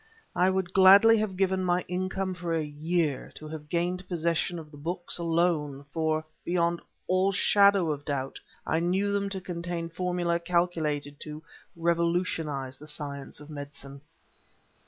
I would gladly have given my income for a year, to have gained possession of the books, alone; for, beyond all shadow of doubt, I knew them to contain formula calculated to revolutionize the science of medicine.